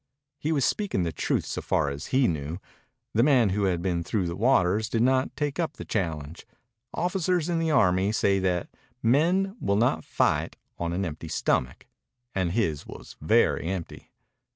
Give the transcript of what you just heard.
He was speaking the truth so far as he knew. The man who had been through the waters did not take up the challenge. Officers in the army say that men will not fight on an empty stomach, and his was very empty.